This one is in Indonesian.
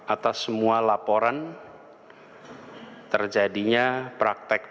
atas semua laporan terjadinya praktek